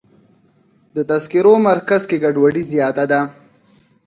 د تذکرو مرکز کې ګډوډي زیاته ده.